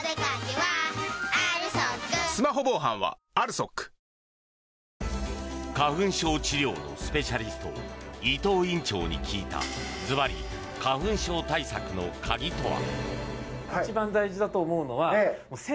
そこで重要となるのが花粉症治療のスペシャリスト伊東院長に聞いたズバリ、花粉症対策の鍵とは？